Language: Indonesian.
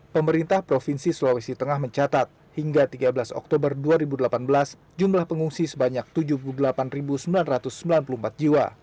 pemerintah provinsi sulawesi tengah mencatat hingga tiga belas oktober dua ribu delapan belas jumlah pengungsi sebanyak tujuh puluh delapan sembilan ratus sembilan puluh empat jiwa